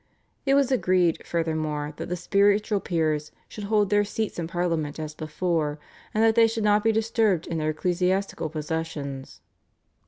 It was agreed, furthermore, that the spiritual peers should hold their seats in Parliament as before, and that they should not be disturbed in their ecclesiastical possessions.